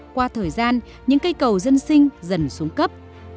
qua thời gian những cây cầu dân sinh dần xuống cấp